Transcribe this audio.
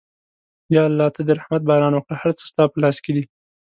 یا الله ته د رحمت باران وکړه، هر څه ستا په لاس کې دي.